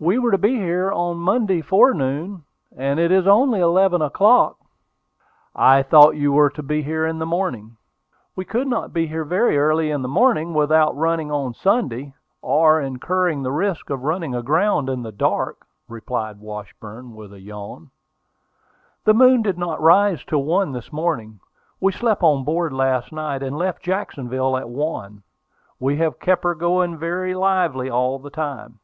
"We were to be here on Monday forenoon; and it is only eleven o'clock." "I thought you were to be here in the morning." "We could not be here very early in the morning without running on Sunday, or incurring the risk of running aground in the dark," replied Washburn with a yawn. "The moon did not rise till one this morning. We slept on board last night, and left Jacksonville at one. We have kept her going very lively all the time."